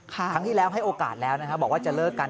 ครั้งที่แล้วให้โอกาสแล้วนะครับบอกว่าจะเลิกกัน